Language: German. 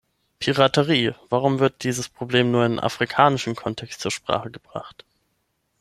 Piraterie warum wird dieses Problem nur im afrikanischen Kontext zur Sprache gebracht?